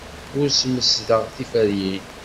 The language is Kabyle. Ur smesden tiferyin.